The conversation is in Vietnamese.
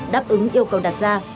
đáp ứng yêu cầu đặt ra